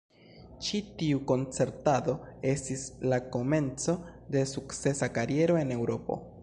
Ĉi tiu koncertado estis la komenco de sukcesa kariero en Eŭropo.